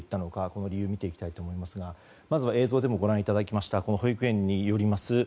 この理由を見ていきたいと思いますがまずは映像でもご覧いただきましたこの保育園によります